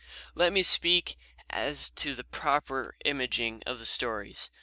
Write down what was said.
Let me speak as to the proper imaging of the stories.